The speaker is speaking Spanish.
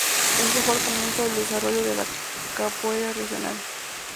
Este fue el comienzo del desarrollo de la Capoeira Regional.